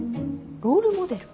ロールモデル？